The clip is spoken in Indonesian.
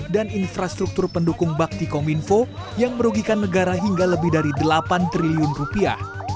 dan infrastruktur pendukung baktikominfo yang merugikan negara hingga lebih dari delapan triliun rupiah